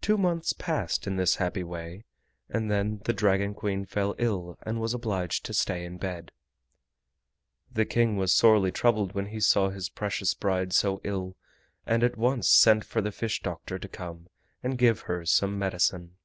Two months passed in this happy way, and then the Dragon Queen fell ill and was obliged to stay in bed. The King was sorely troubled when he saw his precious bride so ill, and at once sent for the fish doctor to come and give her some medicine.